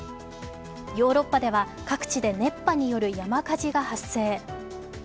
ヨーロッパでは各地で熱波による山火事が発生。